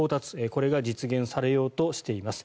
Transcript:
これが実現されようとしています。